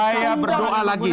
saya berdoa lagi